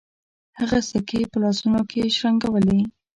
هغه سکې په لاسونو کې شرنګولې.